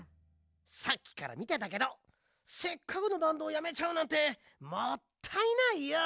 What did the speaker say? さっきからみてたけどせっかくのバンドをやめちゃうなんてもったいないよ。